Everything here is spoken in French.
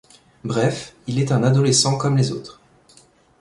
Bref, il est un adolescent comme les autres.